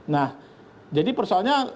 nah jadi persoalnya